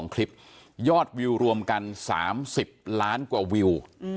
คลิปยอดวิวรวมกัน๓๐ล้านกว่าวิว